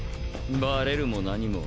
バレるも何も。